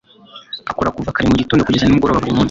akora kuva kare mu gitondo kugeza nimugoroba buri munsi